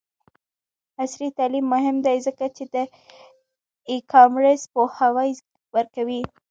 عصري تعلیم مهم دی ځکه چې د ای کامرس پوهاوی ورکوي.